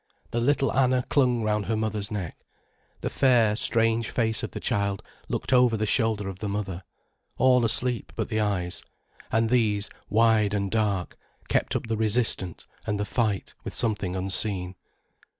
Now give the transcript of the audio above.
The little Anna clung round her mother's neck. The fair, strange face of the child looked over the shoulder of the mother, all asleep but the eyes, and these, wide and dark, kept up the resistance and the fight with something unseen.